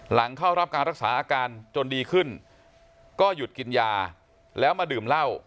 หลังเข้ารับการรักษาอาการจนดีขึ้นก็หยุดกินยาแล้วมาดื่มเหล้า